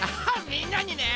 みんなにね